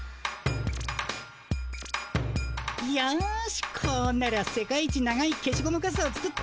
よしこうなりゃ世界一長いけしゴムカスを作って。